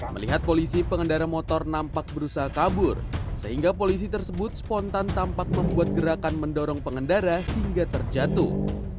melihat polisi pengendara motor nampak berusaha kabur sehingga polisi tersebut spontan tampak membuat gerakan mendorong pengendara hingga terjatuh